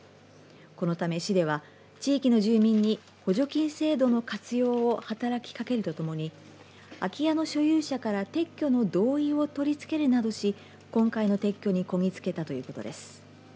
このため、市では地域の住民に補助金制度の活用を働きかけるとともに空き家の所有者から撤去の同意を取り付けるなどし今回の撤去にこぎつけたということです。